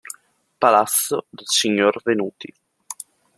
Palazzo del signor Venuti.